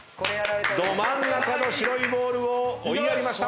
ど真ん中の白いボールを追いやりました。